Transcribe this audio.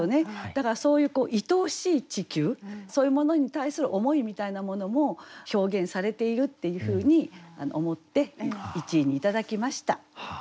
だからそういういとおしい地球そういうものに対する思いみたいなものも表現されているっていうふうに思って１位にいただきました。